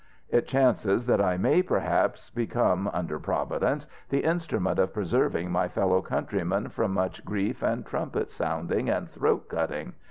It chances that I may perhaps become, under providence, the instrument of preserving my fellow countrymen from much grief and trumpet sounding and throat cutting.